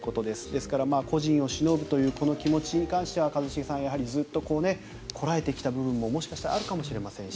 ですから故人をしのぶというこの気持ちに関しては一茂さんずっとこらえてきた部分ももしかしたらあるかもしれませんし。